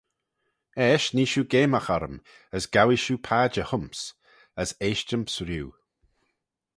Eisht nee shiu geamagh orrym, as gowee shiu padjer hym's, as eaisht-yms riu.